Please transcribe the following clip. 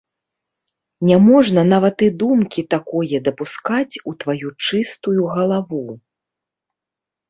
Не можна нават і думкі такое дапускаць у тваю чыстую галаву.